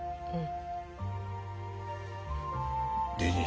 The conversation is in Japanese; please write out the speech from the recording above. うん？